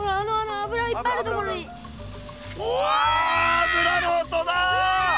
油の音だ！